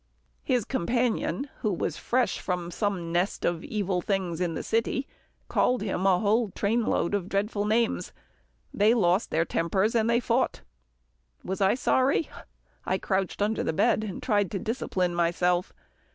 His companion, who was fresh from some nest of evil things in the city, called him a whole trainload of dreadful names. They lost their tempers, and fought. Was I sorry? I crouched under the bed and tried to discipline myself.